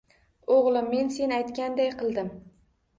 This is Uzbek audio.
Oʻgʻlim, men sen aytganday qildim.